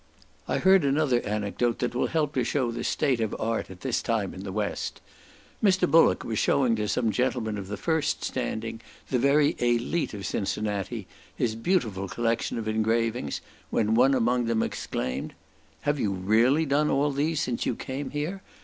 I heard another anecdote that will help to show the state of art at this time in the west. Mr. Bullock was shewing to some gentlemen of the first standing, the very elite of Cincinnati, his beautiful collection of engravings, when one among them exclaimed, "Have you really done all these since you came here?